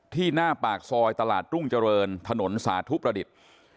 หน้าปากซอยตลาดรุ่งเจริญถนนสาธุประดิษฐ์